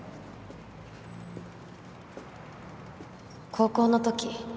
高校の時